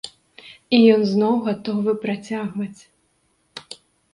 І ён зноў гатовы працягваць.